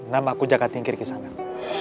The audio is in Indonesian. nama aku jakat tingkir kisanak